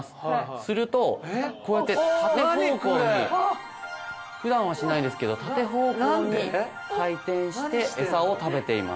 するとこうやって縦方向に普段はしないんですけど縦方向に回転して餌を食べています。